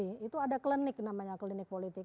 itu ada klinik namanya klinik politik